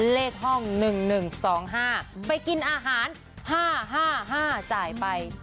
เลขห้องหนึ่งหนึ่งสองห้าไปกินอาหารห้าห้าห้าจ่ายไป